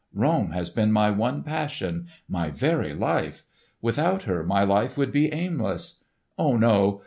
Rome has been my one passion—my very life! Without her my life would be aimless. Ah, no!